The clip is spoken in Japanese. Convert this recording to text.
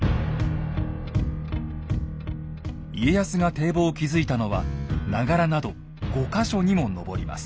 家康が堤防を築いたのは長柄など５か所にも上ります。